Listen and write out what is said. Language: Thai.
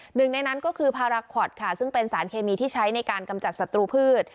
หนึ่งในนั้นก็คือพาราคอตค่ะซึ่งเป็นสารเคมีที่ใช้ในการกำจัดศัตรูพืช